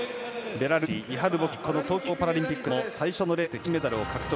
ベラルーシ、イハル・ボキこの東京パラリンピックでも最初のレースで金メダルを獲得。